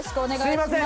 すいません！